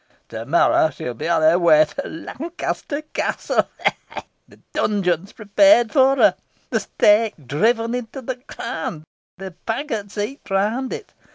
To morrow she will be on her way to Lancaster Castle. Ha! ha! The dungeon is prepared for her the stake driven into the ground the fagots heaped around it.